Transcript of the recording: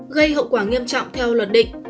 gây hậu quả nghiêm trọng theo luật định